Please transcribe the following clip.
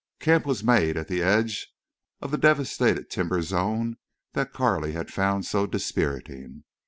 Camp was made at the edge of the devastated timber zone that Carley had found so dispiriting.